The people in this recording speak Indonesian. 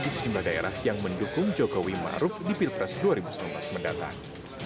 di sejumlah daerah yang mendukung jokowi mahapad di pilpres dua ribu sembilan belas mendatang